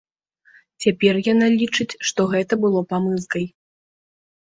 Цяпер яна лічыць, што гэта было памылкай.